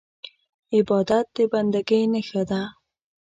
عبادت د بندګۍ نښه ده.